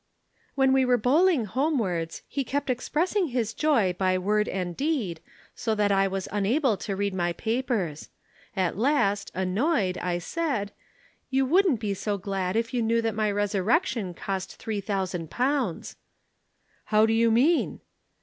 "When we were bowling homewards he kept expressing his joy by word and deed, so that I was unable to read my papers. At last, annoyed, I said: 'You wouldn't be so glad if you knew that my resurrection cost three thousand pounds.' "'How do you mean?'